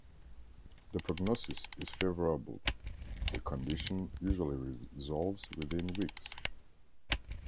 The prognosis is favorable-the condition usually resolves within weeks.